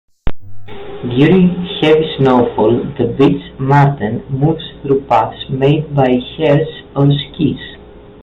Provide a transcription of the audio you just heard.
During heavy snowfalls, the beech marten moves through paths made by hares or skis.